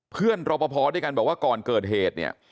เพื่อนรบพด้วยกันบอกว่าก่อนเกิดเหตุ